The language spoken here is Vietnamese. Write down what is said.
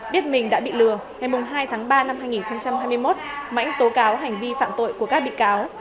biết mình đã bị lừa ngày hai tháng ba năm hai nghìn hai mươi một mãnh tố cáo hành vi phạm tội của các bị cáo